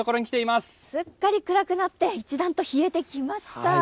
すっかり暗くなって一段と冷えてきました。